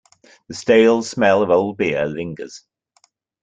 The stale smell of old beer lingers.